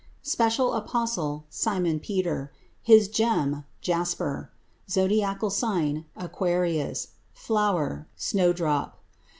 Special apostle Simon Peter. His gem Jasper. Zodiacal sign Aquarius. Flower Snowdrop.